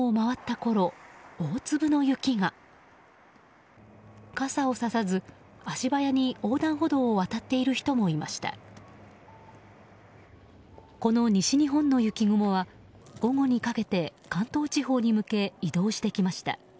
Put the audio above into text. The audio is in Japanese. この西日本の雪雲は午後にかけて、関東地方に向け移動してきました。